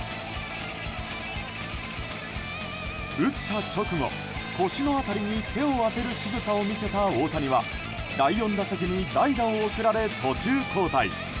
打った直後、腰の辺りに手を当てるしぐさを見せた大谷は第４打席に代打を送られ途中交代。